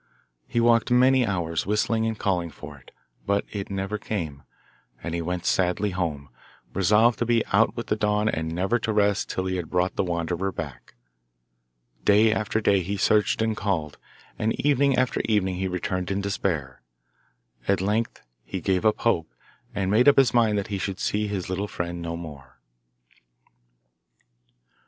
He walked many hours, whistling and calling for it, but it never came, and he went sadly home, resolved to be out with the dawn and never to rest till he had brought the wanderer back. Day after day he searched and called; and evening after evening he returned in despair. At length he gave up hope, and made up his mind that he should see his little friend no more.